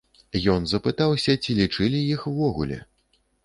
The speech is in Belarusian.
Ён запытаўся, ці лічылі іх увогуле.